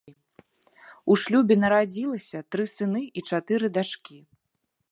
У шлюбе нарадзілася тры сыны і чатыры дачкі.